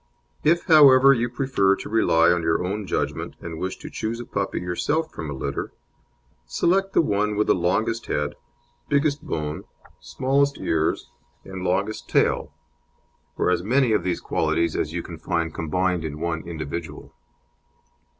If, however, you prefer to rely on your own judgment, and wish to choose a puppy yourself from a litter, select the one with the longest head, biggest bone, smallest ears, and longest tail, or as many of these qualities as you can find combined in one individual.